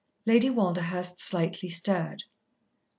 Lady Walderhurst slightly stirred.